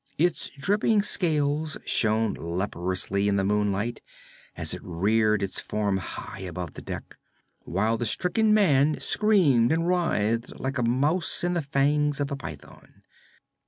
Its dripping scales shone leprously in the moonlight as it reared its form high above the deck, while the stricken man screamed and writhed like a mouse in the fangs of a python.